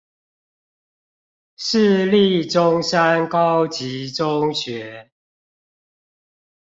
市立中山高級中學